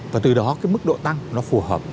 và từ đó cái mức độ tăng nó phù hợp